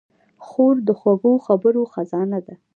خور د خوږو خبرو خزانه ده.